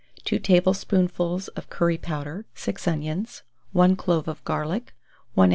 2 tablespoonfuls of curry powder, 6 onions, 1 clove of garlic, 1 oz.